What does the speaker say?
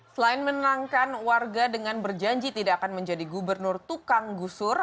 selain menangkan warga dengan berjanji tidak akan menjadi gubernur tukang gusur